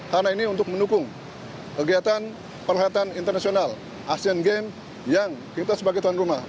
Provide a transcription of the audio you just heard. karena ini untuk mendukung kegiatan perkhidmatan internasional asean games yang kita sebagai tuan rumah